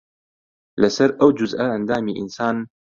لەسەر ئەو جوزئە ئەندامی ئینسان